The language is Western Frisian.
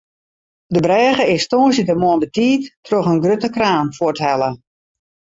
De brêge is tongersdeitemoarn betiid troch in grutte kraan fuorthelle.